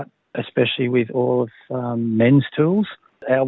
memiliki bagian besar terutama dengan alat alat para lelaki